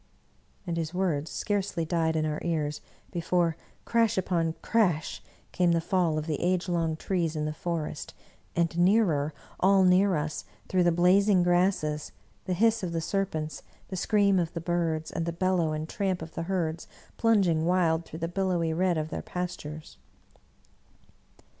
" And his words scarcely died in our ears be fore, crash upon crash, came the fall of the age long trees 92 Bulwer Lytton in the forest, and nearer, all near us, through the blazing grasses, the hiss of the serpents, the scream of the birds, and the bellow and tramp of the herds plunging wild through the billowy red of their pastures.